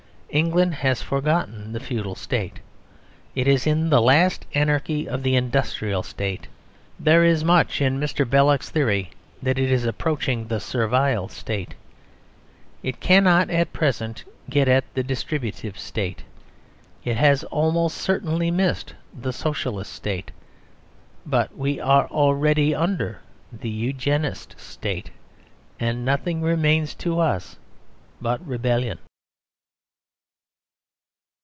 England has forgotten the Feudal State; it is in the last anarchy of the Industrial State; there is much in Mr. Belloc's theory that it is approaching the Servile State; it cannot at present get at the Distributive State; it has almost certainly missed the Socialist State. But we are already under the Eugenist State; and nothing remains to us but rebellion.